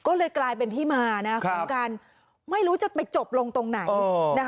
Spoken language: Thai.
ก็เลยกลายเป็นที่มาของการไม่รู้จะไปจบลงตรงไหน